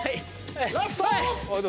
ラスト！